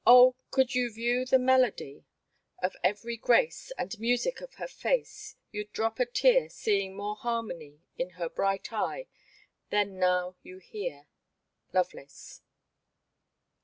Oh ! could you view the melodie Of ev'ry grace, And musick of her face, You *d drop a teare, Seeing more harmonie In her bright eye, Then now you heare." I/)VKX^CS.